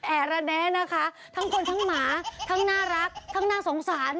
แอระแด้นะคะทั้งคนทั้งหมาทั้งน่ารักทั้งน่าสงสาร